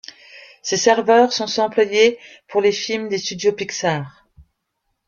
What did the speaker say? Ces serveurs sont ceux employés pour les films des Studios Pixar.